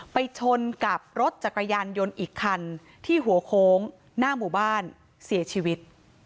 ไปชนกับรถจักรยานยนต์อีกคันที่หัวโค้งหน้าหมู่บ้านเสียชีวิต